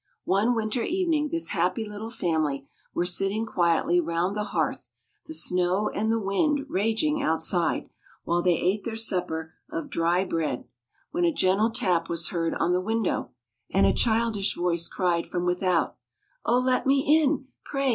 One winter evening, this happy little family were sitting quietly round the hearth, the snow and the wind raging outside, while they ate their supper of dry bread, when a gentle tap was heard on the window, and a childish voice cried from without: "Oh, let me in, pray!